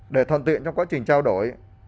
để thuận tiện trong quá trình trao đổi